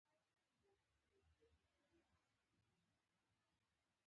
د خپلواکۍ ترلاسه کول قربانۍ ته اړتیا لري.